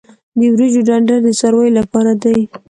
د وریجو ډنډر د څارویو لپاره دی.